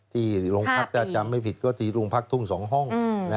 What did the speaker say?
ที่โรงพักถ้าจำไม่ผิดก็ที่โรงพักทุ่ง๒ห้อง